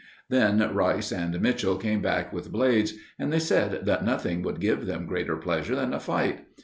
Then Rice and Mitchell came back with Blades, and they said that nothing would give them greater pleasure than a fight.